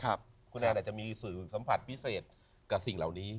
คุณแอนอาจจะมีสื่อสัมผัสพิเศษกับสิ่งเหล่านี้